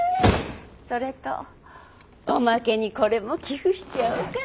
それとおまけにこれも寄付しちゃおうかな。